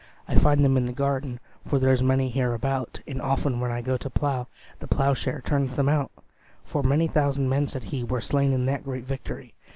"I find them in the garden, For there's many hereabout; And often, when I go to plow The plowshare turns them out! For many thousand men," said he, "Were slain in that great victory."